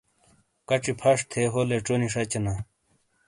کچی پَھش تھے ہو لیچونی شاچینا۔